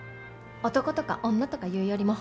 男とか女とか言うよりも。